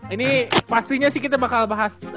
ini pastinya sih kita bakal bahas